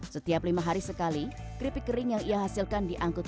setiap lima hari sekali kripik kripiknya meningkat